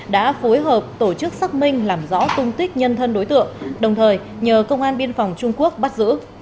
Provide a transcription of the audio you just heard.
đã phối hợp tổ chức xác minh làm rõ tung tích nhân thân đối tượng đồng thời nhờ công an biên phòng trung quốc bắt giữ